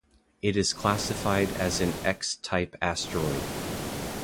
It is classified as an X-type asteroid.